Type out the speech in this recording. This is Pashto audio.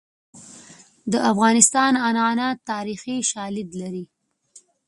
د افغانستان عنعنات تاریخي شالید لري.